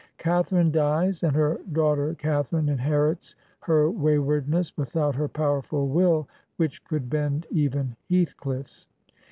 Catharine dies, and her daughter Cath arine inherits her waywardness without her powerful wiU, which could bend even HeathcM's.